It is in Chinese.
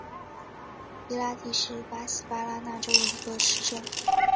伊拉蒂是巴西巴拉那州的一个市镇。